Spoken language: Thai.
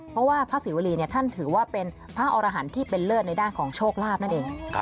เพราะว่าพระศรีวรีท่านถือว่าเป็นพระอรหันต์ที่เป็นเลิศในด้านของโชคลาภนั่นเอง